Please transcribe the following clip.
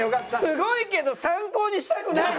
すごいけど参考にしたくない。